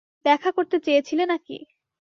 দেখা করতে চেয়েছিলে নাকি?